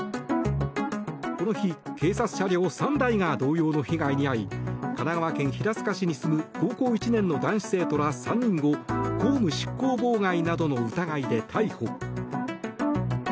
この日、警察車両３台が同様の被害に遭い神奈川県平塚市に住む高校１年の男子生徒ら３人を公務執行妨害などの疑いで逮捕。